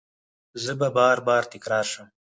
زه به بار، بار تکرار شم